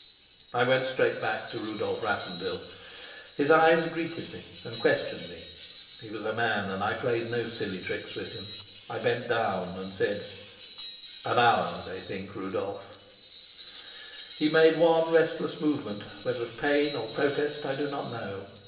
I went straight back to Rudolf Rassendyll. His eyes greeted me and questioned me. He was a man, and I played no silly tricks with him. I bent down and said: "An hour, they think, Rudolf." He made one restless movement, whether of pain or protest I do not know.